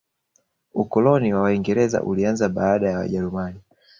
ukoloni wa waingereza ulianza baada ya wajerumani